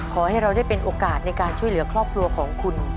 ขอให้เราได้เป็นโอกาสในการช่วยเหลือครอบครัวของคุณ